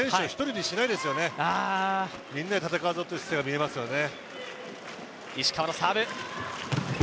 みんなで戦うぞという姿勢が見えますよね。